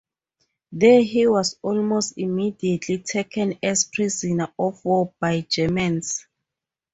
There, he was almost immediately taken as prisoner of war by Germans.